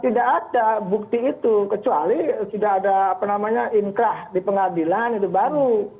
tidak ada bukti itu kecuali sudah ada apa namanya inkrah di pengadilan itu baru